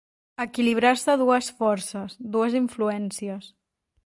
Equilibrar-se dues forces, dues influències.